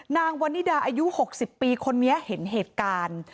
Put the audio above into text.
นางวันนิดาอายุ๖๐ปีคนนี้เห็นเหตุการณ์